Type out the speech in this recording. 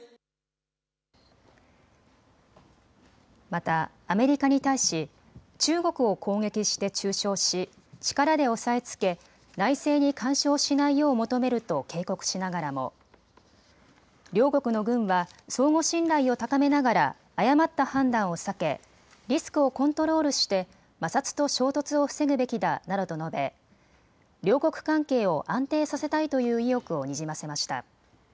またアメリカに対し中国を攻撃して中傷し力で押さえつけ内政に干渉しないよう求めると警告しながらも両国の軍は相互信頼を高めながら誤った判断を避け、リスクをコントロールして摩擦と衝突を防ぐべきだなどと述べ両国関係を安定させたいという意欲をにじませました。